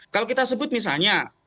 kalau kita sebut misalnya